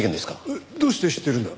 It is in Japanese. えっどうして知ってるんだ？